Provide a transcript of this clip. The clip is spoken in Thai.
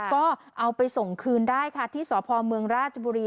ก็เอาไปส่งคืนได้ค่ะที่สพเมืองราชบุรี